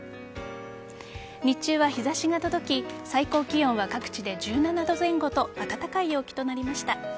日中は日差しが届き最高気温は各地で１７度前後と暖かい陽気となりました。